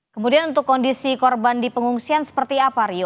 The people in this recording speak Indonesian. kemudian untuk kondisi korban di pengungsian seperti apa rio